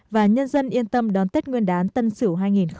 và nhân dân yên tâm đón tết nguyên đán tân sửu hai nghìn hai mươi một